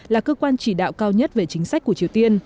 là cơ quan chỉ đạo cao nhất về chính sách của triều tiên